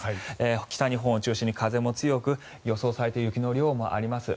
北日本を中心に風も強く予想されている雪の量もあります